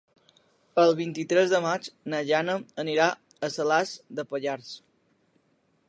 El vint-i-tres de maig na Jana anirà a Salàs de Pallars.